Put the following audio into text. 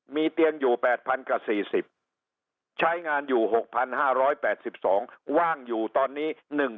มีเตียงอยู่๘๐๐กับ๔๐ใช้งานอยู่๖๕๘๒ว่างอยู่ตอนนี้